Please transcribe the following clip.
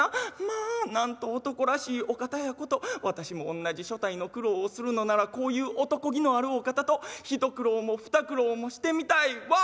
『まあなんと男らしいお方やこと私もおんなじ所帯の苦労をするのならこういう男気のあるお方と一苦労も二苦労もしてみたいわ』」。